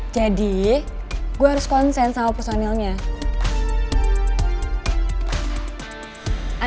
gue harus konsen sama personilnya